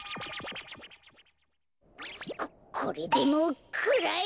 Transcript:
ここれでもくらえ！